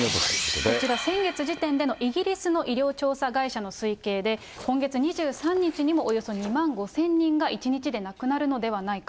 こちら、先月時点でのイギリスの医療調査会社の推計で、今月２３日にもおよそ２万５０００人が１日で亡くなるのではないか。